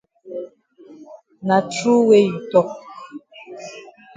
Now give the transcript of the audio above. Na true wey you tok.